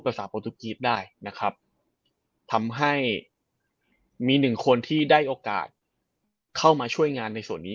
โปรตุกีฟได้นะครับทำให้มีหนึ่งคนที่ได้โอกาสเข้ามาช่วยงานในส่วนนี้